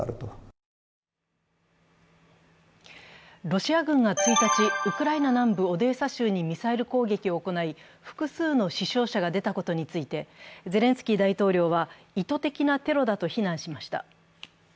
ロシア軍が１日、ウクライナ南部オデーサ州にミサイル攻撃を行い、複数の死傷者が出たことについてゼレンスキー大統領は意図的なテロだと非難しました。